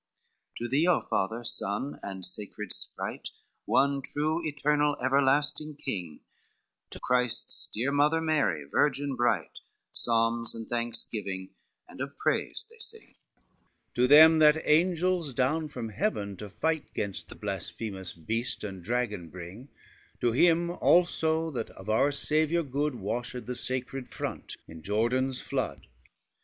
VII To thee, O Father, Son, and sacred Sprite, One true, eternal, everlasting King; To Christ's dear mother, Mary, vlrgin bright, Psalms of thanksgiving and of praise they sing; To them that angels down from heaven to fight Gainst the blasphemous beast and dragon bring; To him also that of our Saviour good, Washed the sacred font in Jordan's flood.